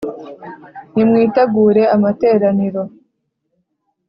nimwitegure amateraniro